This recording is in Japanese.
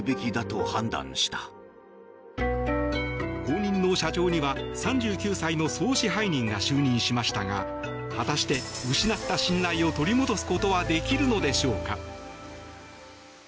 後任の社長には、３９歳の総支配人が就任しましたが果たして、失った信頼を取り戻すことはできるのでしょうか。